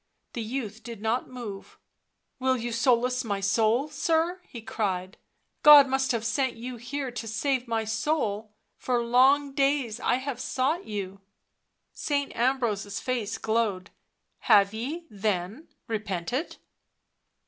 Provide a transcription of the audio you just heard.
The youth did not move. " Will you solace my soul, sir ?" he cried. " God must have sent you here to save my soul — for long days I have sought you." Saint Ambrose's face glowed. " Have ye, then, repented